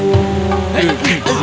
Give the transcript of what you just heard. oh itu benar